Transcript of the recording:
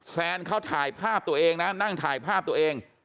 แซนเขาถ่ายภาพตัวเองนะนั่งถ่ายภาพตัวเอง